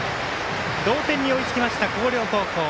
同点に追いつきました、広陵高校。